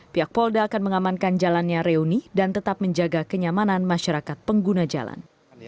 pihak polda akan mengamankan jalannya reuni dan tetap menjaga kenyamanan masyarakat pengguna jalan